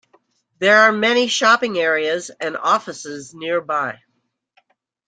There are many shopping areas and offices nearby.